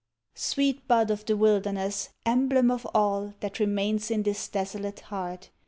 Sweet bud of the wilderness! emblem of all That remains in this desolate heart!